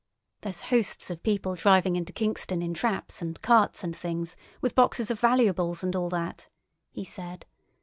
"There's hosts of people driving into Kingston in traps and carts and things, with boxes of valuables and all that," he said.